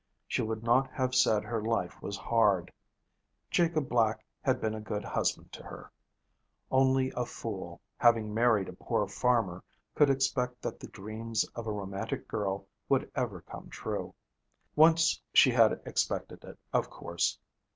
She would not have said her life was hard. Jacob Black had been a good husband to her. Only a fool, having married a poor farmer, could expect that the dreams of a romantic girl would ever come true. Once she had expected it, of course.